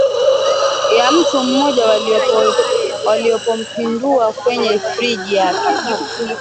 ya mtu mmoja Walipompindua kwenye friji yake